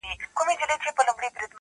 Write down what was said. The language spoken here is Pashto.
تا په لڅه سينه ټوله زړونه وړي,